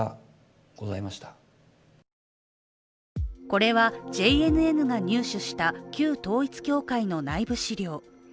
これはＪＮＮが入手した旧統一教会の内部資料。